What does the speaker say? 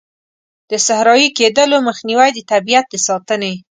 د صحرایې کیدلو مخنیوی، د طبیعیت د ساتنې.